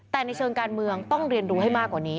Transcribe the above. แต่ในเชิงการเมืองต้องเรียนรู้ให้มากกว่านี้